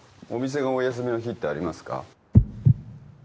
お店がお休みの日ってありますか？